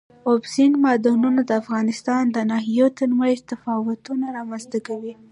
اوبزین معدنونه د افغانستان د ناحیو ترمنځ تفاوتونه رامنځ ته کوي.